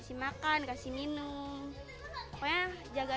tidak ada penyelesaian yang bisa dilakukan oleh badak jawa